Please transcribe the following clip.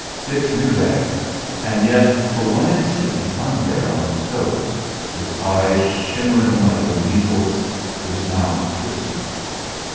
Dix knew that, and yet for one instant he hung there on his toes, his eyes shimmering like a weasel's, his mouth twisting.